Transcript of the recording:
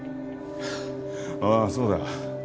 ああそうだ。